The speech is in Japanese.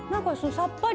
さっぱり。